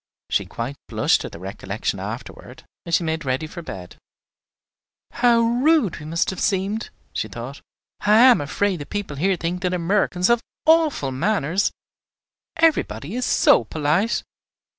She quite blushed at the recollection afterward, as she made ready for bed. "How rude we must have seemed!" she thought. "I am afraid the people here think that Americans have awful manners, everybody is so polite.